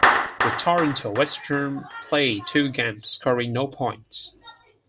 With Toronto, Westrum played two games scoring no points.